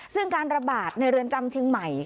ซึ่งการระบาดในเรือนจำเชียงใหม่